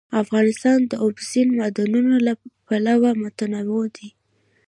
افغانستان د اوبزین معدنونه له پلوه متنوع دی.